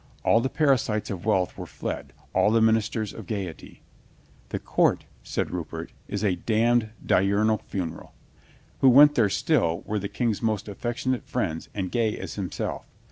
All the parasites of wealth were fled, all the ministers of gaiety. "The court," said Rupert, "is a damned diurnal funeral." Who went there still were the King's most affectionate friends and gay as him self.